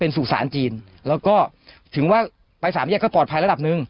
สู่สารจีนแล้วก็ถึงว่าไปสามแยกก็ปลอดภัยระดับหนึ่ง